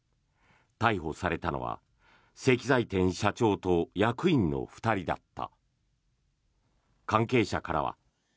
逮捕されたのは石材店社長と役員の２人だった。